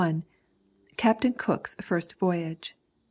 CAPTAIN COOK'S FIRST VOYAGE.